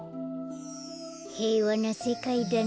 へいわなせかいだな。